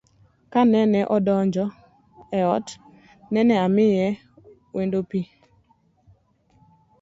Kanene odonjo e ot, nene omiyo wendone pii